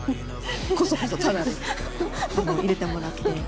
こそこそタダで入れてもらって。